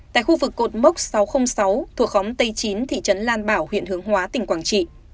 tại khu vực cột mốc sáu trăm linh sáu thuộc khóm tây chín thị trấn lan bảo huyện hướng hóa tỉnh quảng trị